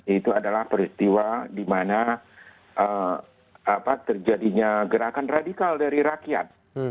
itu adalah peristiwa dimana terjadinya gerakan radikal dari rakyat